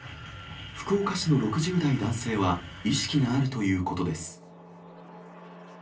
福岡市の６０代男性は意識があるということです。